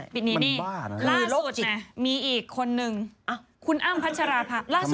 เป็นภาษาอังกฤษ